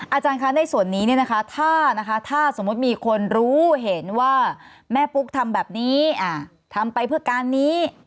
อาจารย์คะในส่วนนี้ถ้าสมมุติมีคนรู้เห็นว่าแม่ปุ๊กทำแบบนี้ทำไปเพื่อการนี้